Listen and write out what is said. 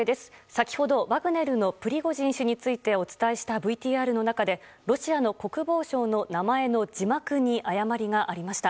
先ほど、ワグネルのプリゴジン氏についてお伝えしたＶＴＲの中でロシアの国防相の名前の字幕に誤りがありました。